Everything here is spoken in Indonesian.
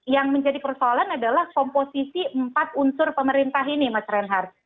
yang menjadi persoalan adalah komposisi empat unsur pemerintah ini mas reinhardt